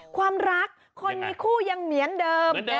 ความรักคนมีคู่ยังเหมือนเดิม